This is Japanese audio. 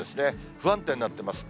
不安定になっています。